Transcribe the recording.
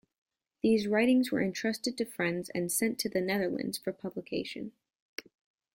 These writings were entrusted to friends and sent to the Netherlands for publication.